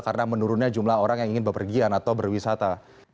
karena menurunnya jumlah orang yang ingin berpergian atau berwisata